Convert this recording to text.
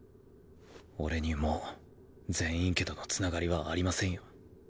俺にもう禪院家とのつながりはありませんよ。